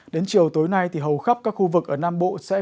đến chiều tối nay thì hầu khắp các khu vực ở nam bộ sẽ